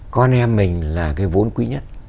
con em mình là cái vốn quý nhất